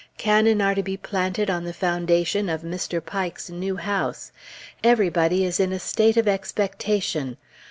Cannon are to be planted on the foundation of Mr. Pike's new house; everybody is in a state of expectation.